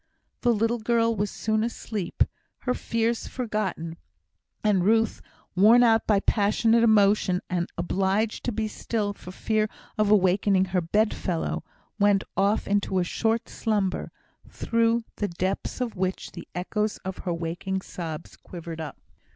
The little girl was soon asleep, her fears forgotten; and Ruth, worn out by passionate emotion, and obliged to be still for fear of awaking her bedfellow, went off into a short slumber, through the depths of which the echoes of her waking sobs quivered up.